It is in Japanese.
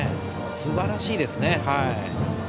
すばらしいですね。